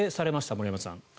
森山さん。